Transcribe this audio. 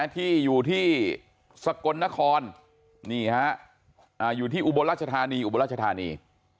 ที่อยู่ที่สกลนครนี่ฮะอยู่ที่อุบลรัชธานี